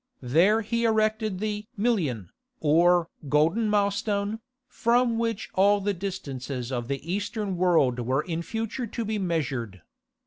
There he erected the Milion, or "golden milestone," from which all the distances of the eastern world were in future to be measured.